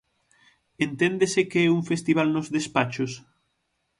Enténdese que é un festival nos despachos?